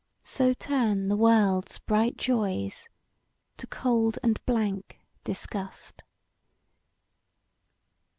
So turn the world's bright joys to cold and blank disgust.